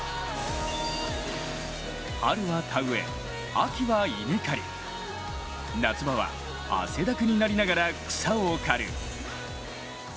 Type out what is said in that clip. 春は田植え、秋は稲刈り、夏場は汗だくになりながら草を刈る。